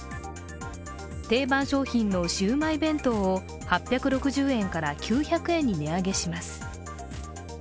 定番商品のシウマイ弁当を８６０円から９００円に値上げします。